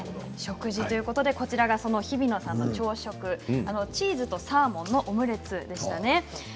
食事ということでこちらが日比野さんの朝食チーズとサーモンのオムレツでしたね。